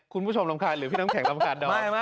คุณผู้ชมรำคาญหรือพี่น้ำแข็งรำคาญดอม